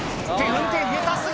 運転下手過ぎ！